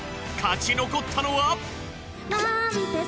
勝ち残ったのは。